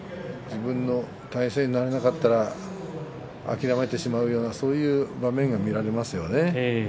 自分の体勢になれないと諦めてしまうようなそういう場面が見られましたね。